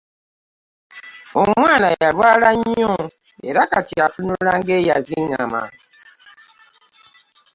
Omwana yalwala nnyo era kati atunula ng'eyazingame.